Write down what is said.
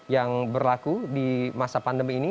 yang berlaku di masa pandemi ini